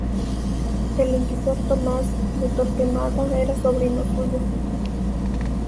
El inquisidor Tomás de Torquemada era sobrino suyo.